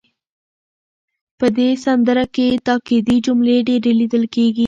په دې سندره کې تاکېدي جملې ډېرې لیدل کېږي.